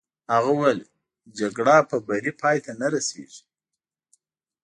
هغه وویل: جګړه په بري پای ته نه رسېږي.